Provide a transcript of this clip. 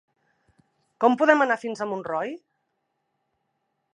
Com podem anar fins a Montroi?